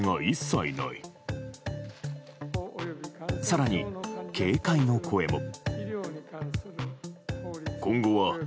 更に、警戒の声も。